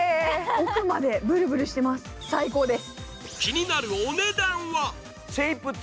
奥までぶるぶるしてます、最高です。